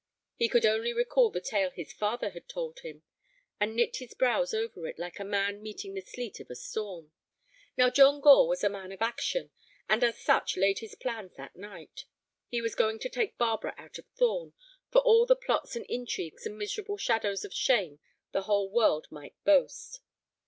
He could only recall the tale his father had told him, and knit his brows over it like a man meeting the sleet of a storm. Now John Gore was a man of action, and as such laid his plans that night. He was going to take Barbara out of Thorn, for all the plots and intrigues and miserable shadows of shame the whole world might boast.